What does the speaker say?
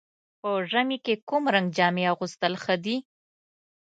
په ژمي کې کوم رنګ جامې اغوستل ښه دي؟